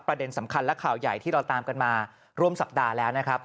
ประเด็นสำคัญและข่าวใหญ่ที่เราตามกันมาร่วมสัปดาห์แล้วนะครับ